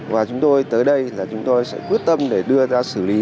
và chúng tôi tới đây là chúng tôi sẽ quyết tâm để đưa ra xử lý